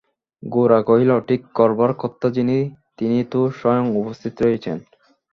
গোরা কহিল, ঠিক করবার কর্তা যিনি তিনি তো স্বয়ং উপস্থিত রয়েছেন।